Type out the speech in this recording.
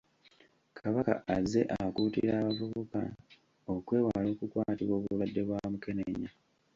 Kabaka azze akuutira abavubuka okwewala okukwatibwa obulwadde bwa mukenenya.